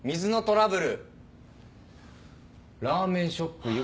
「ラーメンショップ湯